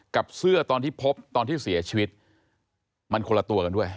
กับเสื้อตอนที่พบตอนที่เสียชีวิตมันคนละตัวกันด้วย